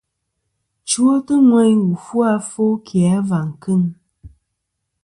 Chwotɨ ŋweyn wù fu afo ki a và kɨŋ.